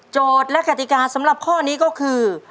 และกติกาสำหรับข้อนี้ก็คือ